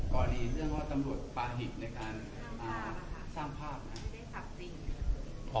ก่อนนี้เรื่องว่าตำรวจปาหิตในการสร้างภาพ